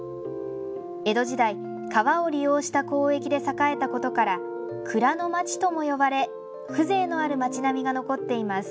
江戸時代、川を利用した交易が栄えたことから蔵の町とも呼ばれ風情のある町並みが残っています。